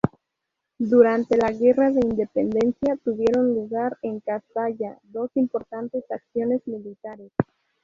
Durante la Guerra de Independencia, tuvieron lugar en Castalla dos importantes acciones militares.